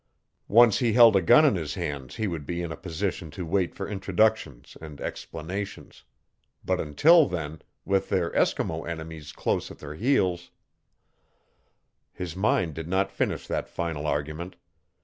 Once he held a gun in his hands he would be in a position to wait for introductions and explanations. But until then, with their Eskimo enemies close at their heels His mind did not finish that final argument.